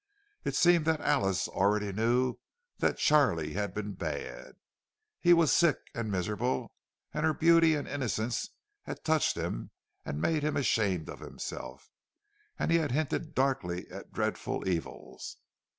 It seemed that Alice already knew that Charlie had been "bad." He was sick and miserable; and her beauty and innocence had touched him and made him ashamed of himself, and he had hinted darkly at dreadful evils.